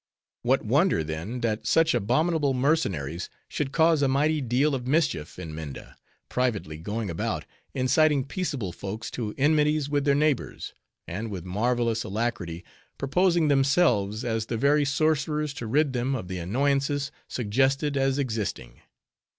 What wonder, then, that such abominable mercenaries should cause a mighty deal of mischief in Minda; privately going about, inciting peaceable folks to enmities with their neighbors; and with marvelous alacrity, proposing themselves as the very sorcerers to rid them of the annoyances suggested as existing.